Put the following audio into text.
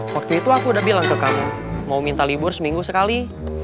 waktu itu aku udah bilang ke kamu mau minta libur seminggu sekali